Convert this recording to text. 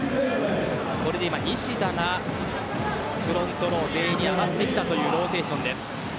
これで今、西田がフロントロー前衛に上がってきたというローテーションです。